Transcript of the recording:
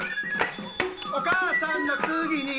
お母さんの次に